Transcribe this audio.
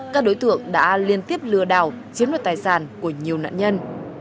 các đối tượng đã liên tiếp lừa đảo chiếm đoạt tài sản của nhiều nạn nhân